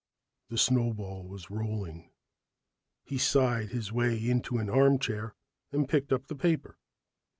The snowball was rolling. He sighed his way into an armchair and picked up the paper.